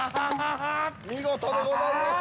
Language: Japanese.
見事でございます。